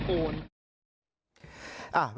เพื่อนเขาก็เดินออกมา